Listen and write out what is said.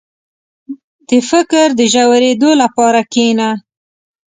• د فکر د ژورېدو لپاره کښېنه.